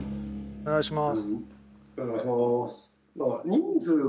お願いします。